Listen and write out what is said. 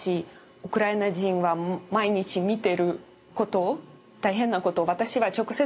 ウクライナ人は毎日見てることを大変なことを私は直接見ていません。